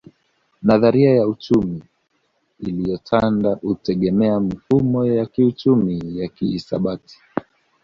Nadharia ya uchumi iliyotanda hutegemea mifumo ya kiuchumi ya kihisabati